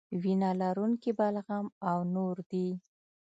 وینه لرونکي بلغم او نور دي.